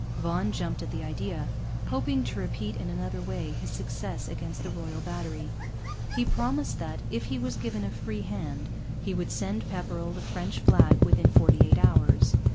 Vaughan jumped at the idea, hoping to repeat in another way his success against the Royal Battery. He promised that, if he was given a free hand, he would send Pepperrell the French flag within forty eight hours.